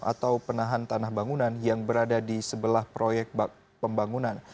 atau penahan tanah bangunan yang berada di sebelah proyek pembangunan